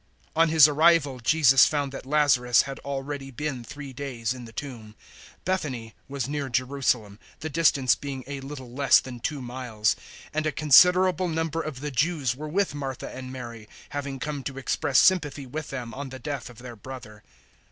011:017 On His arrival Jesus found that Lazarus had already been three days in the tomb. 011:018 Bethany was near Jerusalem, the distance being a little less than two miles; 011:019 and a considerable number of the Jews were with Martha and Mary, having come to express sympathy with them on the death of their brother.